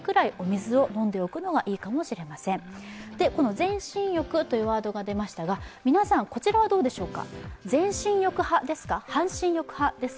全身浴というワードが出ましたが、皆さんこちらはどうでしょうか